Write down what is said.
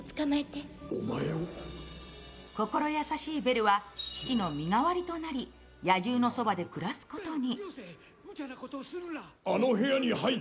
心優しいベルは、父の身代わりとなり、野獣のそばで暮らすことに。